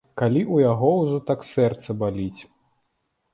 Калі ў яго ўжо так сэрца баліць?